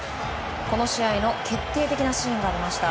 この試合の決定的なシーンがありました。